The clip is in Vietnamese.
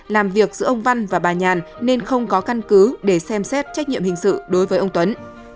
làm việc giữa ông văn và bà nhàn nên không có căn cứ để xem xét trách nhiệm hình sự đối với ông tuấn